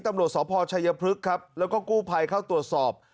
ตำรวจสพชัยพฤกษ์ครับแล้วก็กู้ภัยเข้าตรวจสอบ